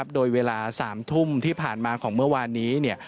โดยเวลา๓ทุ่มที่ผ่านมาของเมื่อวานนี้